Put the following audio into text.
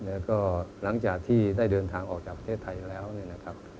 แล้วก็หลังจากที่ได้เดินทางออกจากประเทศไทยแล้วเนี่ยนะครับ